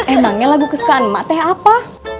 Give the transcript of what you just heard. emangnya lagu kesukaan emak teh apa